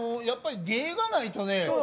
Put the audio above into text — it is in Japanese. やっぱり芸がないとね